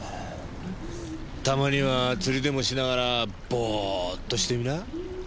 たまには釣りでもしながらボーッとしてみな。